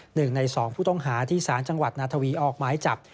หนึ่งในสองผู้ต้องหาที่สารจังหวัดนาทวีออกหมายจับ